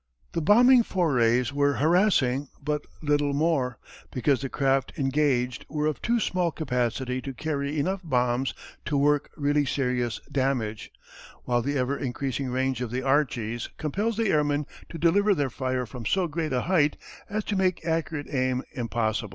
The bombing forays were harassing but little more, because the craft engaged were of too small capacity to carry enough bombs to work really serious damage, while the ever increasing range of the "Archies" compels the airmen to deliver their fire from so great a height as to make accurate aim impossible.